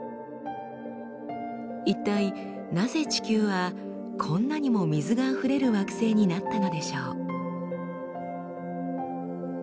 一体なぜ地球はこんなにも水があふれる惑星になったのでしょう？